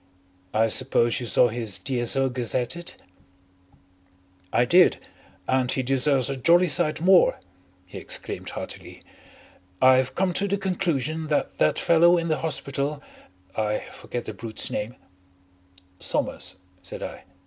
I suppose you saw his D.S.O. gazetted?" "I did. And he deserves a jolly sight more," he exclaimed heartily. "I've come to the conclusion that that fellow in the hospital I forget the brute's name " "Somers," said I.